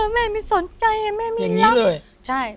แม่ไม่สนใจแม่ไม่รัก